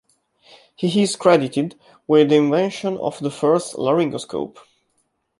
He is credited with the invention of the first laryngoscope.